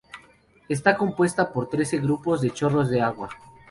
Está compuesta por trece grupos de chorros de agua.